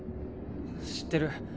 知ってる。